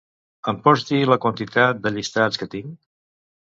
Em pots dir la quantitat de llistats que tinc?